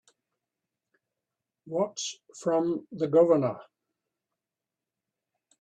What's from the Governor?